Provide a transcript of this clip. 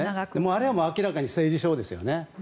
あれは明らかに政治ショーですよね。